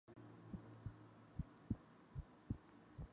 He gained sponsorship from the London Docklands Development Corporation.